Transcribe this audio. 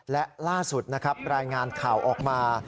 และล่าสุดรายงานข่าวออกมา